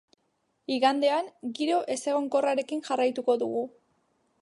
Igandean, giro ezegonkorrarekin jarraituko dugu.